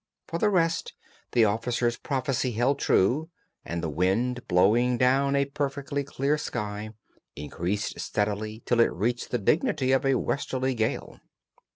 For the rest, the officer's prophecy held true, and the wind, blowing down a perfectly clear sky, increased steadily till it reached the dignity of a westerly gale.